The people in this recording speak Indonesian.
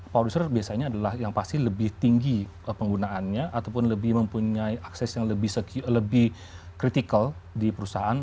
produser biasanya adalah yang pasti lebih tinggi penggunaannya ataupun lebih mempunyai akses yang lebih kritikal di perusahaan